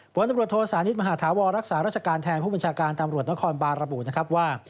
บวนตำรวจโทษศาลนิษฐ์มหาธาวรรักษารัชการแทนผู้บัญชาการตำรวจนครบารบุว่า